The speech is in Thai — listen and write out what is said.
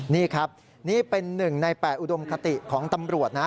นี่ครับนี่เป็น๑ใน๘อุดมคติของตำรวจนะ